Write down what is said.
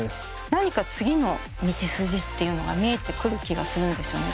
何か次の道筋っていうのが見えてくる気がするんですよね。